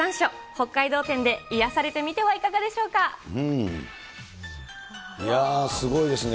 北海道展で癒やされてみてはいかがでしょういやー、すごいですね。